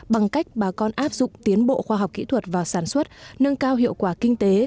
bằng cách bà con áp dụng tiến bộ khoa học kỹ thuật vào sản xuất nâng cao hiệu quả kinh tế